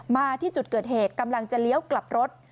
มาที่จุดเกิดเหตุกำลังจะเลี้ยวกลับรถ